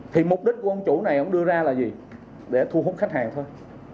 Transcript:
thì mục đích của ông chủ này ông đưa ra là gì để thu hút khách hàng thôi